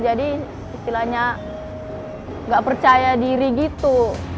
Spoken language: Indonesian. jadi istilahnya gak percaya diri gitu